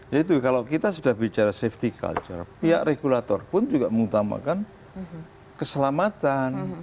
jadi kalau kita sudah bicara safety culture pihak regulator pun juga mengutamakan keselamatan